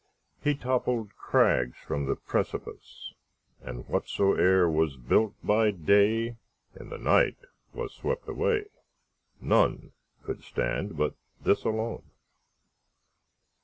He toppled crags from the precipice, And whatsoe'er was built by dayIn the night was swept away:None could stand but this alone.